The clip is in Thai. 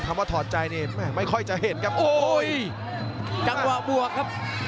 ทำว่าถอดใจนี่แม่งไม่ค่อยจะเห็นครับ